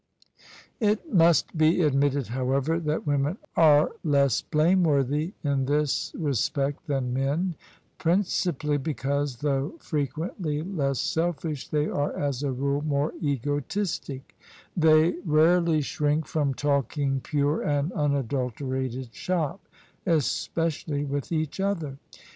It must be admitted, however, that women are less blame worthy in this respect than men — ^principally because, though frequently less selfish, they are as a rule more egotistic They rarely shrink from talking pure and unadulterated shop — especially with each other.